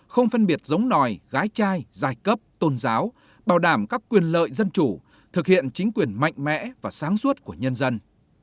không phân biệt giống nòi gái trai giai cấp tôn giáo bảo đảm các quyền lợi dân chủ thực hiện chính quyền mạnh mẽ và sáng suốt của nhân dân